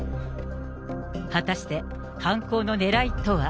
果たして犯行のねらいとは。